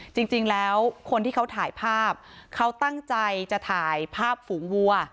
จริงแล้วคนที่เขาถ่ายภาพเขาตั้งใจจะถ่ายภาพฝูงวัว